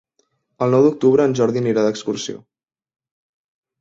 El nou d'octubre en Jordi anirà d'excursió.